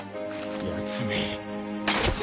やつめ。